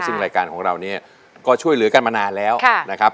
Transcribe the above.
ซึ่งรายการของเราเนี่ยก็ช่วยเหลือกันมานานแล้วนะครับ